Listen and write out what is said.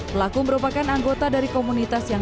pelaku merupakan anggota dari komunitas yang